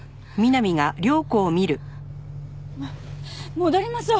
戻りましょう。